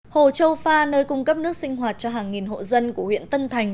hồ châu pha nơi cung cấp nước sinh hoạt cho hàng nghìn hộ dân của huyện tân thành